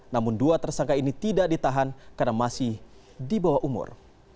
namun dua tersangka ini tidak ditahan karena masih di bawah umur